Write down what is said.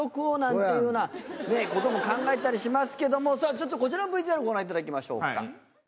考えたりしますけどもさぁちょっとこちらのＶＴＲご覧いただきましょうか。